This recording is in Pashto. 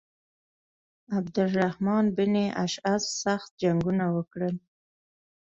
عبدالرحمن بن اشعث سخت جنګونه وکړل.